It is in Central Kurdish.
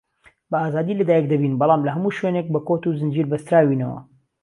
بەئازادی لەدایک دەبین بەڵام لەهەموو شوێنێک بەکۆت و زنجیر بەستراوینەوە